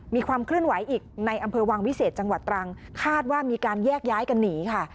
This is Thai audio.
มีความเคลื่อนไหวอีกในอำเภอวังวิเศษจังหวัดตรังคาดว่ามีการแยกย้ายกันหนีค่ะ